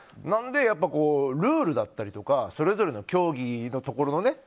なのでルールだったりとかそれぞれの競技のところ。